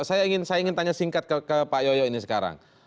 saya ingin tanya singkat ke pak yoyo ini sekarang